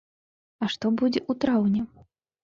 А што будзе ў траўні?